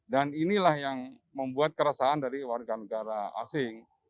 dan inilah yang membuat keresahan dari warga negara asing